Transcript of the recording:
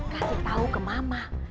afif kasih tau ke mama